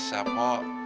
jangan putus asa pok